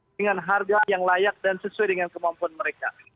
dengan harga yang layak dan sesuai dengan kemampuan mereka